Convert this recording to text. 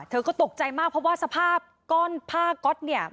เธอก็ตกใจมากเพราะว่าสภาพก้อนผ้าก๊อตเนี่ย